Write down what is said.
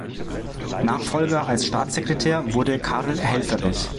Nachfolger als Staatssekretär wurde Karl Helfferich.